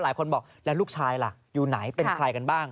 หลายคนบอกแล้วลูกชายล่ะอยู่ไหนเป็นใครกันบ้าง